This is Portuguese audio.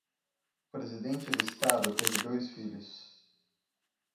O presidente do estado teve dois filhos.